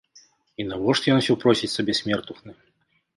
І навошта ён усё просіць сабе смертухны?